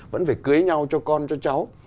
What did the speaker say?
vẫn phải cưới nhau cho con cho cháu